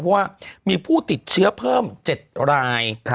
เพราะว่ามีผู้ติดเชื้อเพิ่ม๗ราย